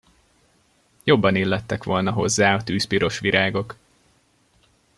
Jobban illettek volna hozzá a tűzpiros virágok.